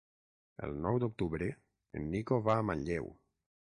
El nou d'octubre en Nico va a Manlleu.